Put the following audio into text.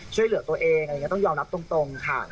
ช่วยเหลือตัวเองต้องยอมรับตรงค่ะ